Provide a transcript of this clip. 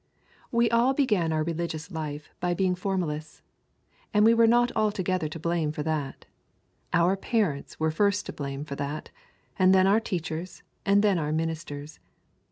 We all began our religious life by being formalists. And we were not altogether to blame for that. Our parents were first to blame for that, and then our teachers, and then our ministers.